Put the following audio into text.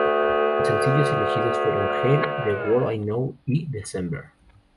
Los sencillos elegidos fueron "Gel", "The World I Know" y "December".